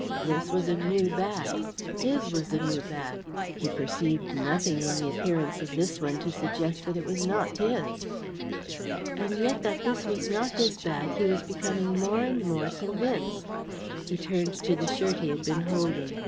This was a new bag, his was a new bag he perceived nothing in the appearance of this one to suggest that it was not his. And yet that this was not his bag he was becoming more and more convinced. He turned to the shirt he had been holding.